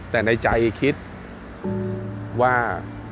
แต่ในใจคิดว่า